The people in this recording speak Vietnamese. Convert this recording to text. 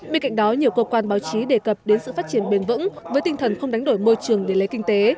bên cạnh đó nhiều cơ quan báo chí đề cập đến sự phát triển bền vững với tinh thần không đánh đổi môi trường để lấy kinh tế